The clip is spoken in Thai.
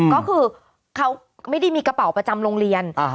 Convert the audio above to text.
ก็คือเขาไม่ได้มีกระเป๋าประจำโรงเรียน